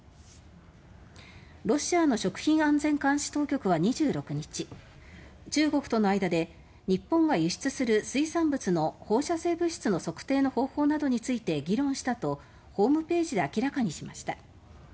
ロシアの食品安全監視当局は２６日中国との間で、日本が輸出する水産物の放射性物質の測定の方法などについて議論したと、ホームページで明らかにしました。